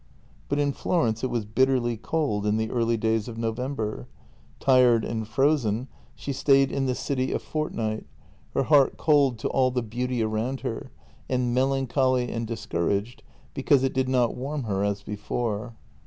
But in Florence it was bitterly cold in the early days of November. Tired and frozen, she stayed in the city a fort JENNY 256 night — her heart cold to all the beauty around her, and mel ancholy and discouraged because it did not warm her as before.